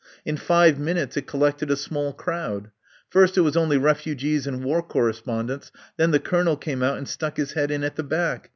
In five minutes it collected a small crowd. First it was only refugees and war correspondents. Then the Colonel came out and stuck his head in at the back.